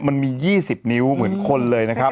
มันมี๒๐นิ้วเหมือนคนเลยนะครับ